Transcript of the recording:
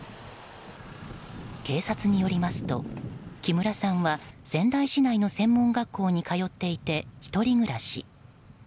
警察によりますと、木村さんは仙台市内の専門学校に通っていて１人暮らし。